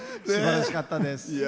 すばらしかったです。